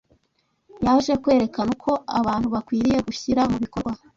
Yaje kwerekana uko abantu bakwiriye gushyira mu bikorwa